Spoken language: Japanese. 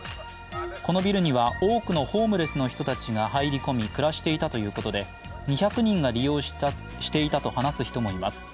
このビルには多くのホームレスの人たちが入り込み、暮らしていたということで２００人が利用していたと話す人もいます。